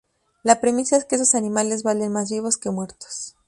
La premisa es que estos animales valen más vivos que muertos.